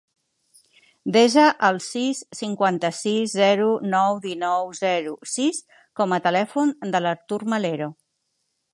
Desa el sis, cinquanta-sis, zero, nou, dinou, zero, sis com a telèfon de l'Artur Melero.